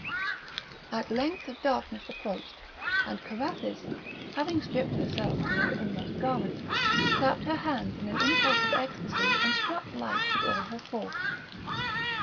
At length darkness approached, and Carathis, having stripped herself to her inmost garment, clapped her hands in an impulse of ecstasy and struck light with all her force.